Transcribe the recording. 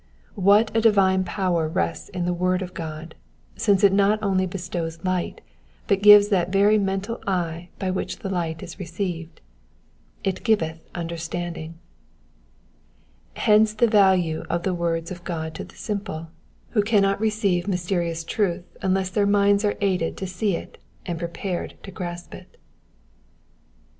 What a divine power rests in the word of God, since it not only bestows light, but gives that very mental eye by which the light is received— It giveth understanding." Hence the value of the words of God to the simple, Digitized by VjOOQIC 284 EXPOSITIONS OP THE PSALMS. who cannot rcccivo mysterious truth unless their minds are aided to see it and prepared to grasp it.